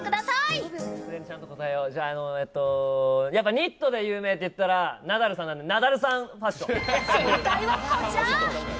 ニットで有名って言ったらナダルさんなんで、ナダルさんファッション。